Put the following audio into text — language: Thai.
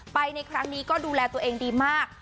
ในครั้งนี้ก็ดูแลตัวเองดีมาก